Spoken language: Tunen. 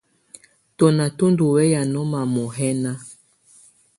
Tɔ̀nà tù ndù wɛya nɔma muhɛna.